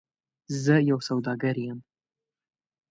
زه یو سوداګر یم .